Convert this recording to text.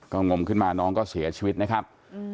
ก็งมขึ้นมาน้องก็เสียชีวิตนะครับ